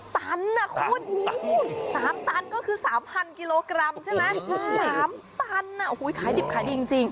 ตันนะคุณ๓ตันก็คือ๓๐๐กิโลกรัมใช่ไหม๓ตันขายดิบขายดีจริง